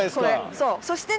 そうそしてね